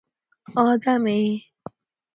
آدمی